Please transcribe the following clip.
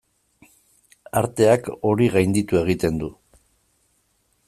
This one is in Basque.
Arteak hori gainditu egiten du.